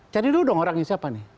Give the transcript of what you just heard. cari dulu dong orangnya siapa nih